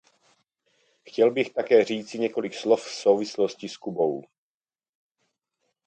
Chtěl bych také říci několik slov v souvislosti s Kubou.